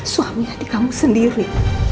suami andi kamu sendiri